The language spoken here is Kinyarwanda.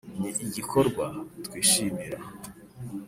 ni igikorwa twishimira